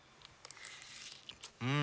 うん！